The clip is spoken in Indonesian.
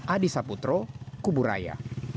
adi saputro kubur raya